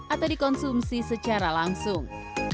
atau dikonsumsi secara langsung